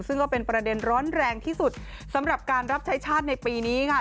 ซึ่งก็เป็นประเด็นร้อนแรงที่สุดสำหรับการรับใช้ชาติในปีนี้ค่ะ